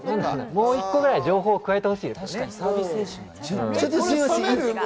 もう１個ぐらい情報を加えてほしいですよね。